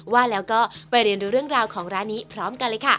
ว่าแล้วก็ไปเรียนดูเรื่องราวของร้านนี้พร้อมกันเลยค่ะ